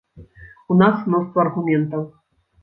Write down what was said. У нас мноства аргументаў.